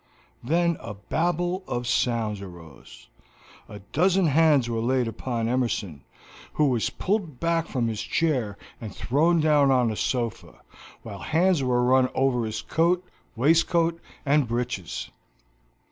Then a Babel of sounds arose, a dozen hands were laid upon Emerson, who was pulled back from his chair and thrown down on a sofa, while hands were run over his coat, waistcoat, and breeches.